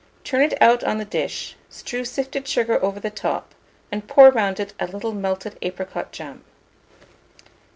Turn it out on the dish, strew sifted sugar over the top, and pour round it a little melted apricot jam.